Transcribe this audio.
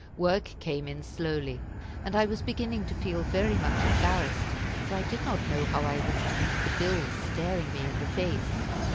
Work came in slowly, and I was beginning to feel very much embarrassed, for I did not know how I was to meet the bills staring me in the face.